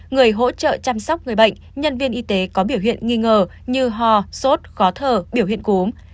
người hỗ trợ chăm sóc người bệnh nhân viên y tế có biểu hiện nghi ngờ như ho sốt khó thở biểu hiện cúm